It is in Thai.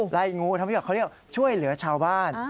ไล่งูทำให้เขาเรียกช่วยเหลือชาวบ้าน